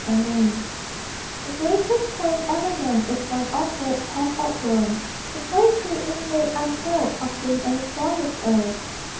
TO A CHILD The greatest poem ever known Is one all poets have outgrown: The poetry, innate, untold, Of being only four years old.